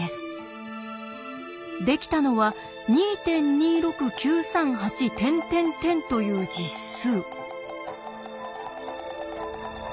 できたのは２．２６９３８という実数。